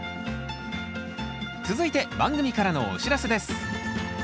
続いて番組からのお知らせです